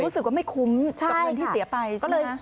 รู้สึกว่าไม่คุ้มกับเงินที่เสียไปใช่ไหม